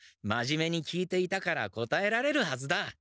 真面目に聞いていたから答えられるはずだ。